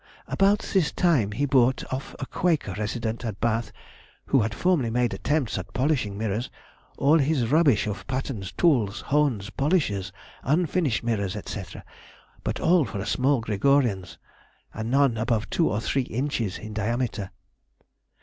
About this time he bought of a Quaker resident at Bath, who had formerly made attempts at polishing mirrors, all his rubbish of patterns, tools, hones, polishers, unfinished mirrors, &c., but all for small Gregorians, and none above two or three inches diameter.